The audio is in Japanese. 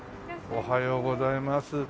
おはようございます。